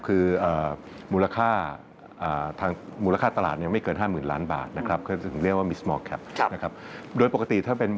คือมูลค่าตลาดไม่เกิน๕๐๐๐๐ล้านบาท